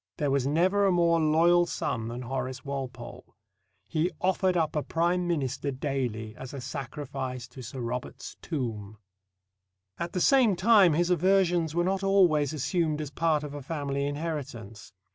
There was never a more loyal son than Horace Walpole. He offered up a Prime Minister daily as a sacrifice at Sir Robert's tomb. At the same time, his aversions were not always assumed as part of a family inheritance.